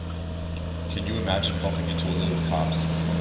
Can you imagine bumping into a load of cops?